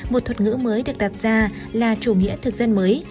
một thuật ngữ mới được đặt ra là chủ nghĩa thực dân mới